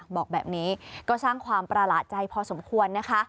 บอกแบบนี้ก็สร้างความประหลาดใจพอสมควรนะคะ